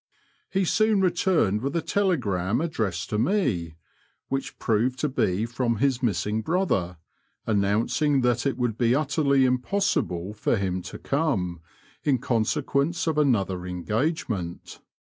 He soon returned with a telegram addressed to me, which proved to be from his missing brother, announcing that it would be utterly impossible for him to come, in con sequence of another engagement.